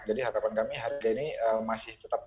harapan kami harga ini masih tetap